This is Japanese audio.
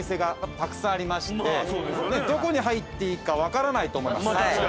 どこに入っていいか分からないと思います。